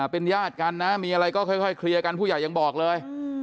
เป็นญาติกันนะมีอะไรก็ค่อยเคลียร์กันผู้ใหญ่ยังบอกเลย